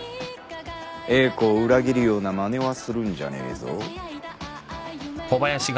英子を裏切るようなまねはするんじゃねえぞ。